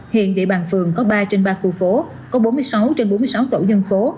hiện địa bàn phường có ba trên ba khu phố có bốn mươi sáu trên bốn mươi sáu tổ dân phố